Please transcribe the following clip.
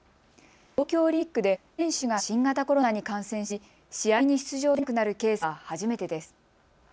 東京オリンピックで選手が新型コロナに感染し試合に出場できなくなるケースは初めてです。